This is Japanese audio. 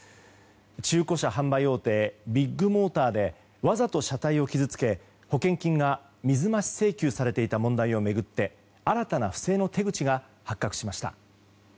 中古車販売大手ビッグモーターでわざと車体を傷つけ保険金が水増し請求されていた問題を巡って新たな不正の手口が発覚しました。